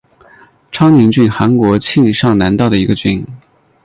昌宁郡韩国庆尚南道的一个郡。